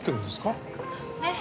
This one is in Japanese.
ええ。